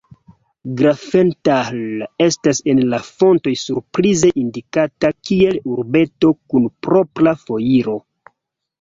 Grafenthal estas en la fontoj surprize indikata kiel urbeto kun propra foiro.